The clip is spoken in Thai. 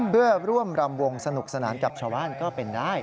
เพื่อร่วมรำวงสนุกสนานกับชาวบ้านก็เป็นได้